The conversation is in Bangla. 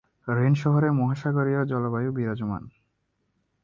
রেন শহরে মহাসাগরীয় জলবায়ু বিরাজমান।